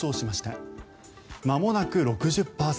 まもなく６０％。